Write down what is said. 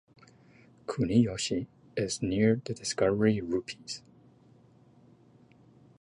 Kuniyoshi is near the Discovery Rupes.